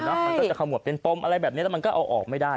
มันก็จะขมวดเป็นปมอะไรแบบนี้แล้วมันก็เอาออกไม่ได้